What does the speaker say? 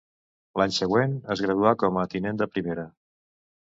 L'any següent es graduà com Tinent de Primera.